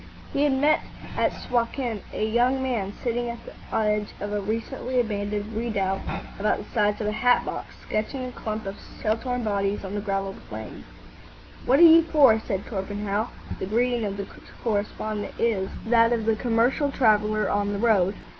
He had met at Suakin a young man, sitting on the edge of a recently abandoned redoubt about the size of a hat box, sketching a clump of shell torn bodies on the gravel plain. "What are you for?" said Torpenhow. The greeting of the correspondent is that of the commercial traveller on the road.